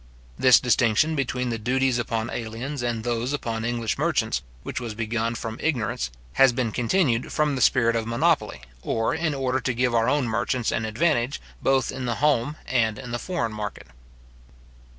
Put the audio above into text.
This distinction between the duties upon aliens and those upon English merchants, which was begun from ignorance, has been continued front the spirit of monopoly, or in order to give our own merchants an advantage, both in the home and in the foreign market.